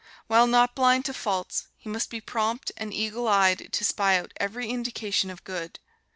While not blind to faults, he must be prompt and eagle eyed to spy out every indication of good.